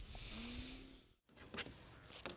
สาวที่นั่น